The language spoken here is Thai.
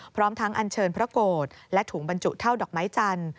พร้อมทั้งอันเชิญพระโกรธและถุงบรรจุเท่าดอกไม้จันทร์